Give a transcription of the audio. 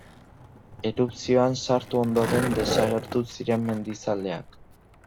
Erupzioan sartu ondoren desagertu ziren mendizaleak.